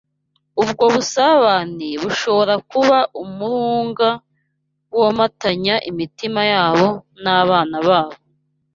Ubwo busabane bushobora kuba umurunga womatanya imitima yabo n’abana babo